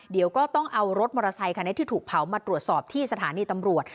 เดี๋ยวก็ต้องเอารถมอเตอร์ไซคันนี้ที่ถูกเผามาตรวจสอบที่สถานีตำรวจ